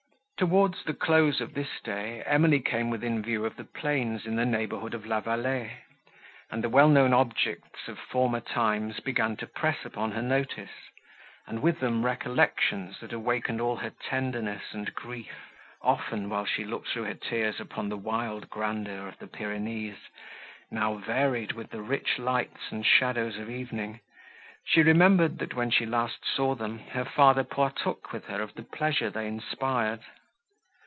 Towards the close of this day, Emily came within view of the plains in the neighbourhood of La Vallée, and the well known objects of former times began to press upon her notice, and with them recollections, that awakened all her tenderness and grief. Often, while she looked through her tears upon the wild grandeur of the Pyrenees, now varied with the rich lights and shadows of evening, she remembered, that, when last she saw them, her father partook with her of the pleasure they inspired.